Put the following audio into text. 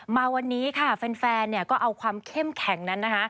มาวันนี้ค่ะแฟนเนี่ยก็เอาความเข้มแข็งนั้นนะคะ